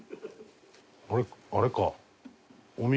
あれあれか。